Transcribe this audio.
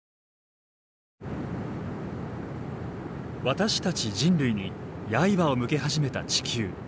私たち人類にやいばを向け始めた地球。